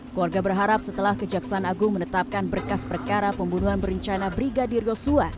keluarga berharap setelah kejaksaan agung menetapkan berkas perkara pembunuhan berencana brigadir yosua